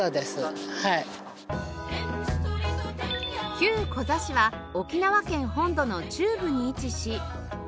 旧コザ市は沖縄県本土の中部に位置し